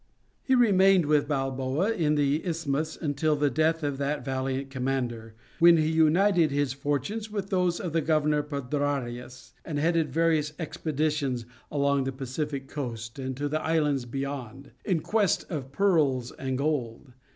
He remained with Balboa on the isthmus until the death of that valiant commander, when he united his fortunes with those of the governor, Pedrarias, and headed various expeditions along the Pacific coast and to the islands beyond, in quest of pearls and gold.